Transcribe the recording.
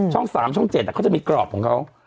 ๓ช่อง๗เขาจะมีกรอบของเขา